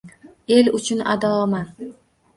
El uchun adoman